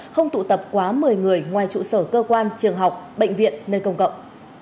không tụ tập quá một mươi người ngoài trụ sở cơ quan trường học bệnh viện nơi công cộng